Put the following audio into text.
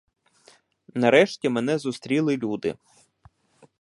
Нарешті мене зустріли люди.